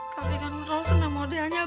tapi kan harus seneng modelnya bang